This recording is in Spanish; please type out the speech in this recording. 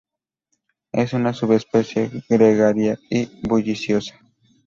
Es una subespecie gregaria y bulliciosa.